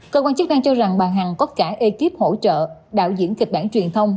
cơ quan chức năng cho rằng bà hằng có cả ekip hỗ trợ đạo diễn kịch bản truyền thông